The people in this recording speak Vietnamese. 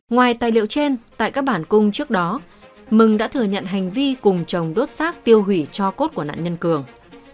ngoài tài liệu trên tại các bản cung trước đó mừng đã thừa nhận hành vi cùng chồng đốt xác tiêu hủy cho cốt của nạn nhân cường